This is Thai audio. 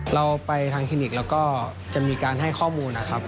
เราไปทางคลินิกแล้วก็จะมีการให้ข้อมูลนะครับ